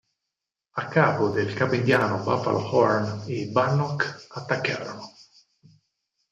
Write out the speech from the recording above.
A capo del capo indiano Buffalo Horn, i Bannock attaccarono.